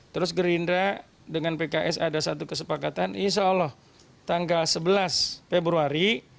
terus gerindra dengan pks ada satu kesepakatan insya allah tanggal sebelas februari